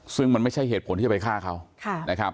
ซึ่งมันไม่ใช่เหตุผลที่จะไปฆ่าเขานะครับ